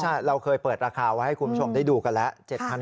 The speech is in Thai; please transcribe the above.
ใช่เราเคยเปิดราคาไว้ให้คุณผู้ชมได้ดูกันแล้ว